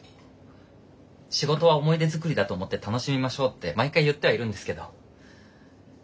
仕事は思い出作りだと思って楽しみましょうって毎回言ってはいるんですけど。